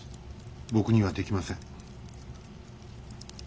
僕にはできません。